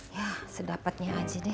ya sedapatnya aja deh